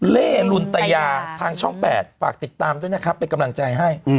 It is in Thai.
เล่ลุนตยาทางช่อง๘ฝากติดตามด้วยนะครับเป็นกำลังใจให้